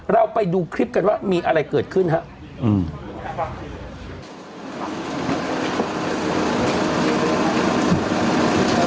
เราไปดูคลิปกันว่ามีอะไรเกิดขึ้นครับ